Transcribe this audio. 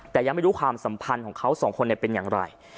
แต่ยังไม่รู้ความสัมพันธ์ของเขาสองคนเป็นอย่างไร